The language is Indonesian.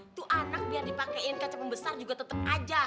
itu anak biar dipakein kaca pembesar juga tetep aja